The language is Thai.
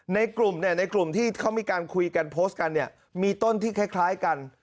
ในกลุ่มที่เขามีการคุยกันโพสต์กันมีต้นที่คล้ายกัน